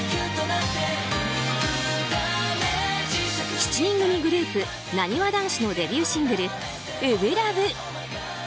７人組グループ、なにわ男子のデビューシングル「初心ＬＯＶＥ」。